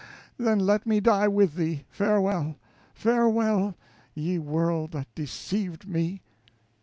then let me die with thee. Farewell! farewell! ye world that deceived me!